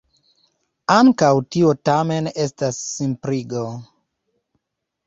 Ankaŭ tio tamen estas simpligo.